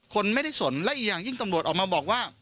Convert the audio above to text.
คนไม่ได้สนและอีกอย่างยิ่งตำรวจออกมาบอกว่า